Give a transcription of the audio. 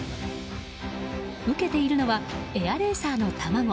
受けているのはエアレーサーの卵。